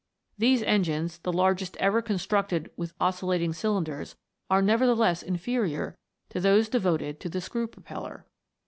These engines, the largest ever constructed with oscillating cylinders, are nevertheless inferior to those devoted to the screw propeller.